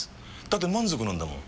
だって満足なんだもん。